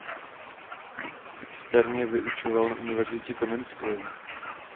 Externě vyučoval na Univerzitě Komenského.